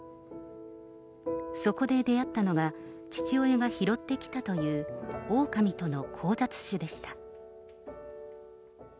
そこで出会ったのが、父親が拾ってきたという、オオカミとの交雑種でした。